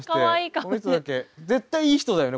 絶対いい人だよね